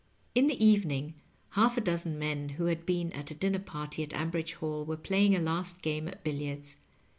In the evening half a dozen men who had been at a dinner party at Ambridge SUl were playing a last game at billiards.